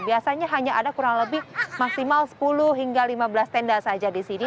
biasanya hanya ada kurang lebih maksimal sepuluh hingga lima belas tenda saja di sini